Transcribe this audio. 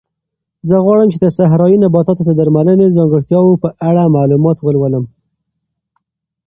زه غواړم چې د صحرایي نباتاتو د درملنې د ځانګړتیاوو په اړه معلومات ولولم.